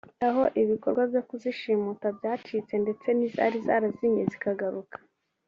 aho ibikorwa byo kuzishimuta byacitse ndetse n’izari zarazimiye zikagaruka